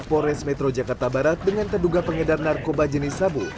pores metro jakarta barat dengan terduga pengedar narkoba jenis sabu